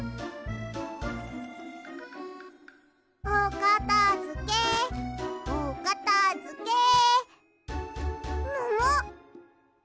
おかたづけおかたづけ。ももっ！？